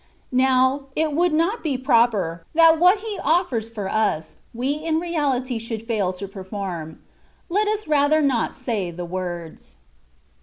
Now, it would not be proper, that what He offers for us, we in reality should fail to perform : let us rather not say the words.